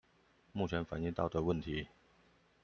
目前反應到的問題